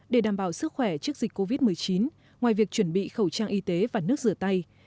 để đảm bảo sức khỏe trước dịch covid một mươi chín ngoài việc chuẩn bị khẩu trang y tế và nước rửa tay